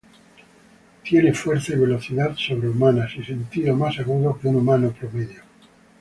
Él tiene fuerza y velocidad sobrehumanas y sentidos más agudos que un humano promedio.